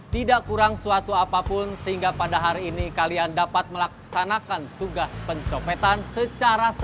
tidak kurang suatu apapun sehingga pada hari ini kalian dapat melaksanakan tugas pencopetan secara sempur